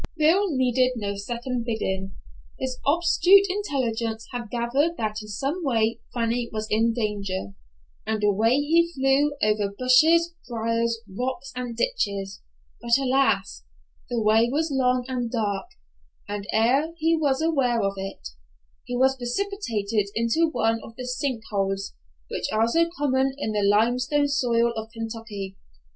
Bill needed no second bidding. His obtuse intellect had gathered that in some way Fanny was in danger, and away he flew over bushes, briers, rocks and ditches. But alas! The way was long and dark, and ere he was aware of it, he was precipitated into one of the sink holes which are so common in the limestone soil of Kentucky.